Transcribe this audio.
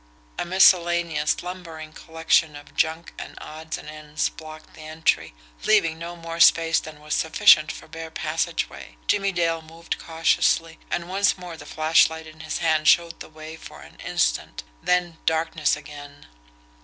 A miscellaneous, lumbering collection of junk and odds and ends blocked the entry, leaving no more space than was sufficient for bare passageway. Jimmie Dale moved cautiously and once more the flashlight in his hand showed the way for an instant then darkness again.